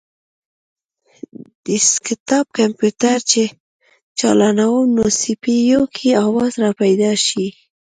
ډیسکټاپ کمپیوټر چې چالانووم نو سي پي یو کې اواز راپیدا شي